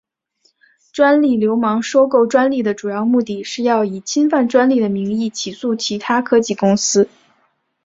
专利流氓收购专利的主要目的是要以侵犯专利的名义起诉其他科技公司。